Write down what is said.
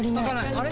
あれ？